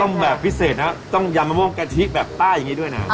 แบบพิเศษนะต้องยำมะม่วงกะทิแบบใต้อย่างนี้ด้วยนะ